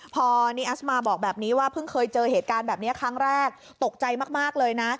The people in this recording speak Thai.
พอนีอัสมาบอกแบบนี้ว่าเพิ่งเคยเจอเหตุการณ์แบบนี้ครั้งแรกตกใจมากเลยนะ